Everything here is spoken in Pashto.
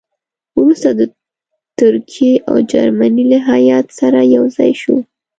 وروسته د ترکیې او جرمني له هیات سره یو ځای شو.